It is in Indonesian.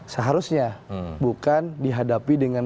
seharusnya bukan dihadapi dengan